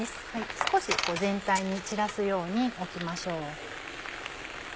少し全体に散らすように置きましょう。